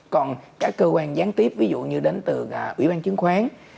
còn các cơ quan gián tiếp ví dụ như đến từ ủy ban chứng khoán